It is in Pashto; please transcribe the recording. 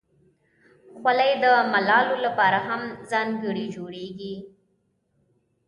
خولۍ د ملالو لپاره هم ځانګړې جوړیږي.